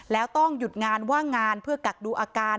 แล้วต้องหยุดงานว่างงานเพื่อกักดูอาการ